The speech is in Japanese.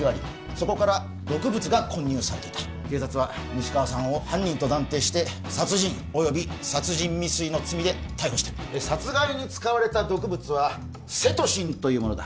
そこから毒物が混入されていた警察は西川さんを犯人と断定して殺人および殺人未遂の罪で逮捕した殺害に使われた毒物はセトシンというものだ